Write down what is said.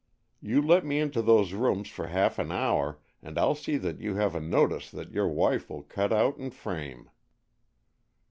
You let me into those rooms for half an hour, and I'll see that you have a notice that your wife will cut out and frame."